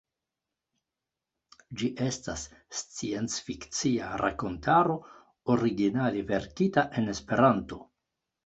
Ĝi estas sciencfikcia rakontaro originale verkita en Esperanto.